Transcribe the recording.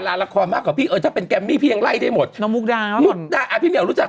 มุกดาที่ชั้นก็เพิ่งมารู้จัก